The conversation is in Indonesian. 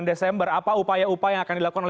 desember apa upaya upaya yang akan dilakukan